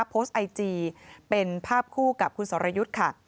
โพสต์ไอจีเป็นภาพคู่กับคุณสรยุทธ์ค่ะ